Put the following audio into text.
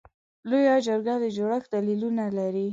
لویه جرګه د جوړښت دلیلونه لري.